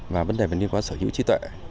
và vấn đề về nguyên quả sở hữu trí tuệ